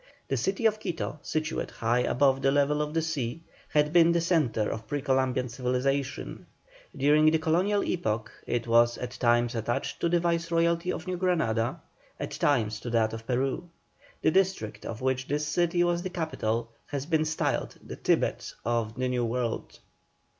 The City of Quito, situate high above the level of the sea, had been the centre of pre Columbian civilization; during the colonial epoch it was at times attached to the Viceroyalty of New Granada, at times to that of Peru. The district of which this city was the capital has been styled the Thibet of the New World.